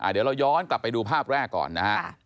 เดี๋ยวเราย้อนกลับไปดูภาพแรกก่อนนะฮะ